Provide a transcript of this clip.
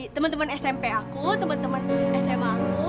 teman teman smp aku teman teman sma aku